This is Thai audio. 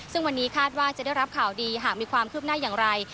ซึ่งวันนี้คาดว่าจะได้รับข่าวดีหากมีความคืบหน้าอย่างไร